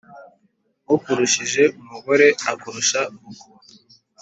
Ukurushije umugore akurusha urugo.